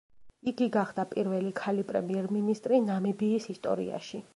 იგი გახდა პირველი ქალი პრემიერ-მინისტრი ნამიბიის ისტორიაში.